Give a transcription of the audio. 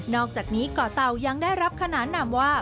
อกจากนี้ก่อเตายังได้รับขนานนามว่า